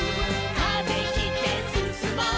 「風切ってすすもう」